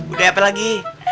udah apa lagi